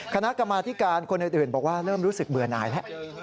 คณะกรรมาธิการคนอื่นบอกว่าเริ่มรู้สึกเบื่อหน่ายแล้ว